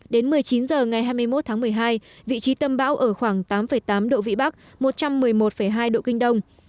đến một mươi chín h ngày hai mươi một tháng một mươi hai vị trí tâm bão ở khoảng tám tám độ vĩ bắc một trăm một mươi một hai độ kinh đông